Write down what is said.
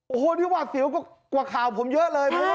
โอ้โหนี่หวาดเสียวกว่าข่าวผมเยอะเลย